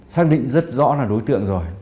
xác định rất rõ là đối tượng rồi